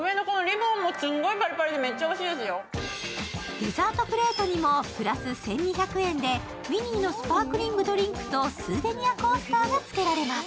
デザートプレートにもプラス１２００円でミニーのスパークリングドリンクとスーベニアコースターがつけられます。